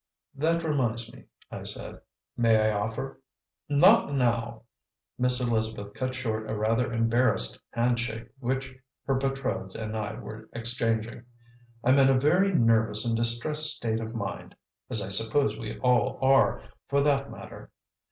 "That reminds me," I said. "May I offer " "Not now!" Miss Elizabeth cut short a rather embarrassed handshake which her betrothed and I were exchanging. "I'm in a very nervous and distressed state of mind, as I suppose we all are, for that matter.